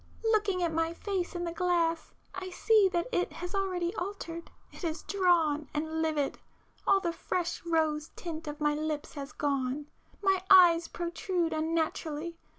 Looking at my face in the glass I see that it has already altered. It is drawn and livid,—all the fresh rose tint of my lips has gone,—my eyes protrude unnaturally